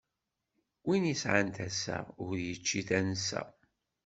Win isɛan tasa, ur ičči tansa.